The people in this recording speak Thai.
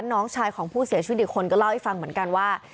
น้องชายของผู้เสียชีวิตอีกคนก็เล่าให้ฟังเหมือนกันว่า